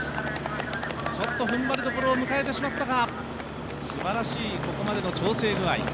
ちょっと踏ん張りどころを迎えてしまったか、すばらしいここまでの調整具合。